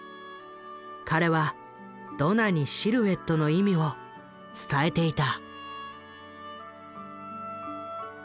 彼はドナにシルエットの意味を伝えていた。